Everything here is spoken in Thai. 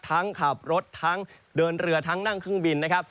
ทั้งขับรถทั้งเดินเรือทั้งนั่งเครื่องบินนะครับ